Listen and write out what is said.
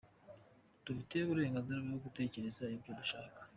Dufite uburenganzira bwo gutekereza ibyo dushaka”.